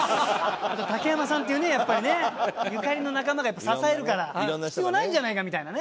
あと竹山さんっていうねやっぱりねゆかりの仲間がやっぱり支えるから必要ないんじゃないかみたいなね。